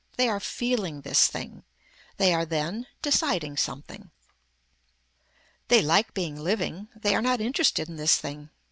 They are feeling this thing. They are then deciding something. They like being living. They are not interested in this thing.